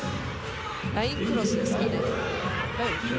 ラインクロスですね。